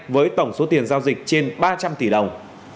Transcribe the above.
với tổng số tiền giao dịch trên ba trăm linh tỷ đồng